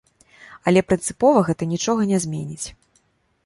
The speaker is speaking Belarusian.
Але прынцыпова гэта нічога не зменіць.